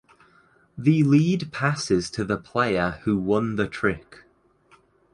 The lead passes to the player who won the trick.